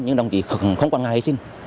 nhưng đồng chí không còn ngại sinh